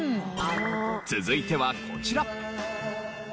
続いてはこちら。